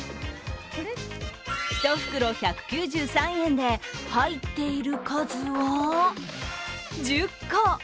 １袋１９３円で入っている数は１０個。